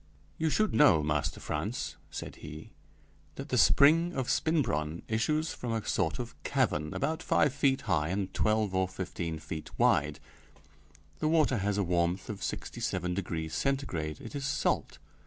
You should know, Master Frantz (said he), that the spring of Spinbronn issues from a sort of cavern, about five feet high and twelve or fifteen feet wide; the water has a warmth of sixty seven degrees Centigrade; it is salt.